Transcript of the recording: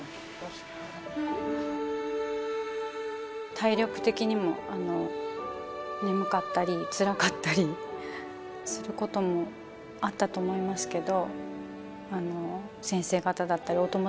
体力的にも眠かったりつらかったりすることもあったと思いますけど。